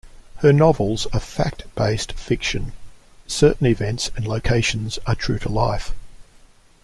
Her novels are "fact-based fiction"-certain events and locations are true to life.